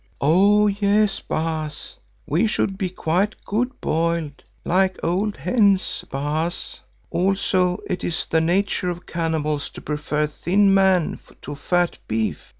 "Oh! yes, Baas, we should be quite good boiled—like old hens, Baas. Also it is the nature of cannibals to prefer thin man to fat beef.